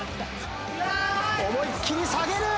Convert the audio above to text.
思いっ切り下げる！